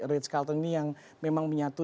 ritz carlton ini yang memang menyatu